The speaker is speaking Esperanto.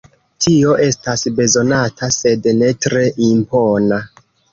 Tio estas bezonata, sed ne tre impona.